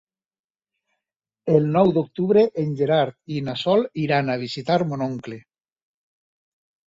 El nou d'octubre en Gerard i na Sol iran a visitar mon oncle.